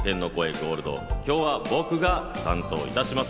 ゴールド、今日は僕が担当いたします。